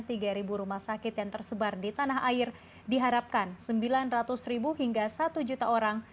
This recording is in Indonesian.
masalah sakit yang tersebar di tanah air diharapkan sembilan ratus hingga satu juta orang